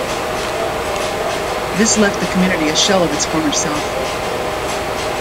This left the community a shell of its former self.